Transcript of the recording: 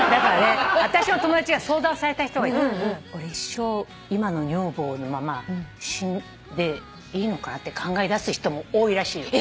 私の友達が相談された人がいて「俺一生今の女房のまま死んでいいのかな？」って考えだす人も多いらしいよ。